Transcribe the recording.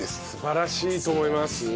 素晴らしいと思います。